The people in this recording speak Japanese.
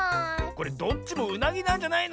これどっちもうなぎなんじゃないの？